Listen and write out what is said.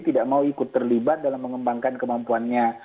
tidak mau ikut terlibat dalam mengembangkan kemampuannya